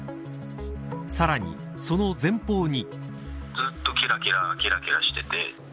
さらにその前方に。